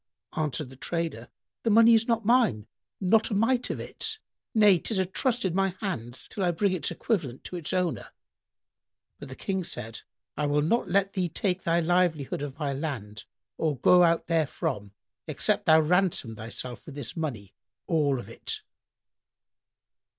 Answered the trader, "The money is not mine, not a mite of it; nay, 'tis a trust in my hands till I bring its equivalent to its owner." But the King said, "I will not let thee take thy livelihood of my land or go out therefrom, except thou ransom thyself with this money all of it."